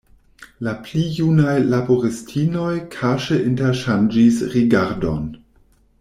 La pli junaj laboristinoj kaŝe interŝanĝis rigardon.